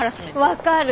分かる。